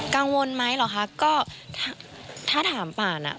กังวลไหมเหรอคะก็ถ้าถามป่านอ่ะ